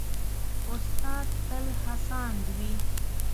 استاد تل هڅاند وي.